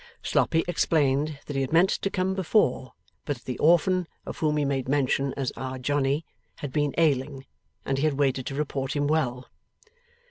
Sloppy explained that he had meant to come before, but that the Orphan (of whom he made mention as Our Johnny) had been ailing, and he had waited to report him well.